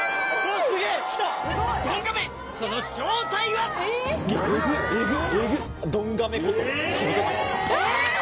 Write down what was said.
ドンガメその正体は？えぐっえぐっ。